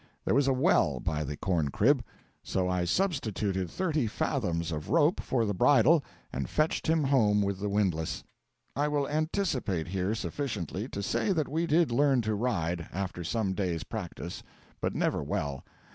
There was a well by the corn crib; so I substituted thirty fathom of rope for the bridle, and fetched him home with the windlass. I will anticipate here sufficiently to say that we did learn to ride, after some days' practice, but never well.